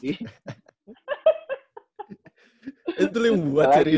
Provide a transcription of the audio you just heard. itu lo yang buat serius